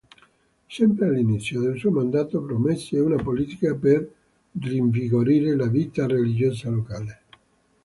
Sempre all'inizio del suo mandato promosse una politica per rinvigorire la vita religiosa locale.